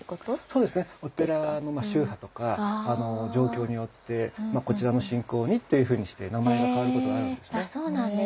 そうですねお寺の宗派とか状況によってこちらの信仰にっていうふうにして名前が変わることがあるんですね。